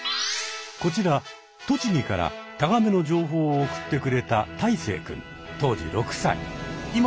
こちら栃木からタガメの情報を送ってくれた太晴くん当時６さい。